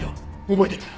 覚えてる。